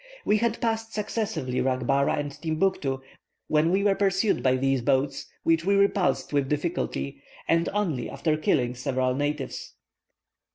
We had passed successively Racbara and Timbuctoo, when we were pursued by these boats, which we repulsed with difficulty, and only after killing several natives.